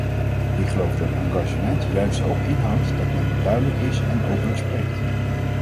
Ik geloof dat engagement juist ook inhoudt dat men duidelijk is en openlijk spreekt.